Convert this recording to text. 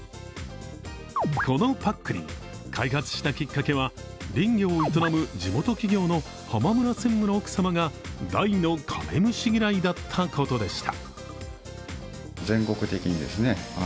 このぱっくりん、開発したきっかけは林業を営む地元企業の浜村専務の奥さまが、大のカメムシ嫌いだったことでした。